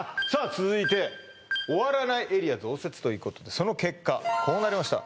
続いて「終わらないエリア増設」ということでその結果こうなりました